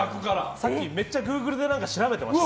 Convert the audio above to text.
さっき、めっちゃグーグルで何か調べてましたよ。